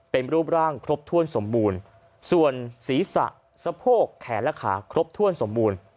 เป็นรูปร่างครบถ้วนสมบูรณ์ส่วนศีรษะสะโพกแขนและขาครบถ้วนสมบูรณ์